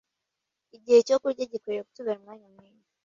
Igihe cyo kurya gikwiriye kutubera umwanya mwiza